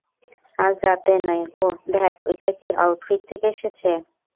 আজ রাতে নয় ওহ, ধ্যাত ঐটা কি আউটফিট থেকে এসেছে?